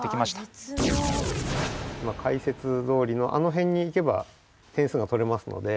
解説どおりのあのへんにいけば点数が取れますので。